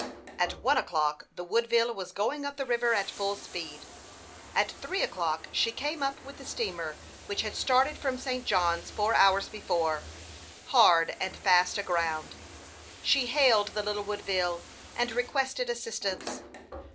At one o'clock the Wooclville was going up the river at full speed. At three o'clock she came up with the steamer which had started from St. Johns four hours before, hard and fast aground. She hailed the little Woodville, and requested assistance.